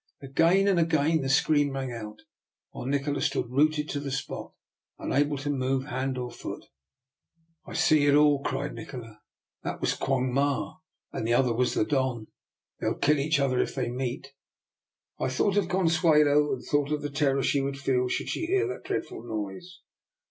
Again and again the scream rang out, while Nikola stood rooted to the spot, unable to move hand or foot. I see it all,'' cried Nikola. " That was Quong Ma and the other was the Don. They'll kill each other if they meet." I thought of Consuelo, and thought of the terror she would feel should she hear that dreadful noise.